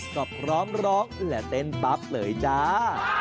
ก็พร้อมร้องและเต้นปั๊บเลยจ้า